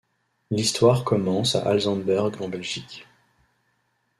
L'histoire commence à Alsemberg en Belgique.